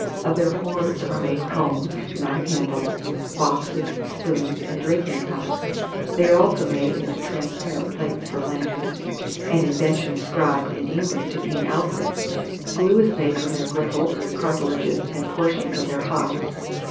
Of their horns are made combs, knife handles, boxes, spoons, and drinking cups. They are also made into transparent plates for lanterns; an invention ascribed, in England, to King Alfred. Glue is made from their gristles, cartilages, and portions of their hides.